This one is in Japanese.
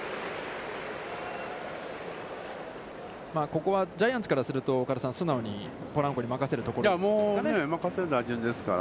ここはジャイアンツからすると、岡田さん、素直にポランコに任せるところですか。